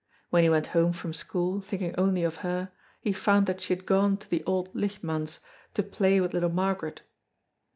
When he went home from school, thinking only of her, he found that she had gone to the Auld Licht manse to play with little Margaret.